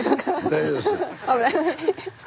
大丈夫です。